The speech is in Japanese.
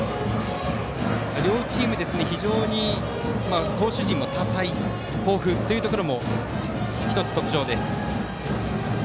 両チーム、非常に投手陣が豊富というところも１つの特徴です。